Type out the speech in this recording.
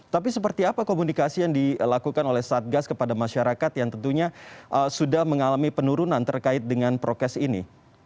tapi seperti apa komunikasi yang dilakukan oleh satgas kepada masyarakat yang tentunya sudah mengalami penurunan terkait dengan prokes ini